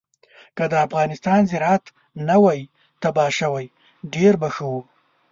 که د افغانستان زراعت نه وی تباه شوی ډېر به ښه وو.